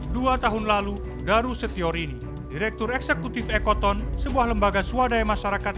dua tahun lalu daru setiorini direktur eksekutif ekoton sebuah lembaga swadaya masyarakat